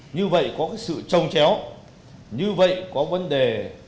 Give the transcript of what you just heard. như vậy có sự trồng chéo như vậy có vấn đề